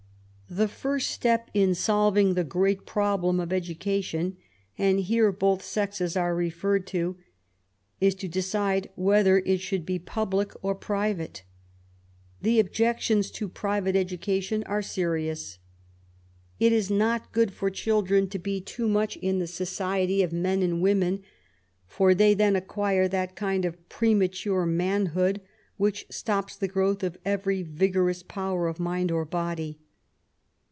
The first step in solving the great problem of edu cation — and here both sexes are referred to — ^is to decide whether it should be public or private. The objections to private education are serious. It is not good for children to be too much in the society of men and women ; for they then *^ acquire that kind of premature manhood which stops the growth of every vigorous power of mind or body."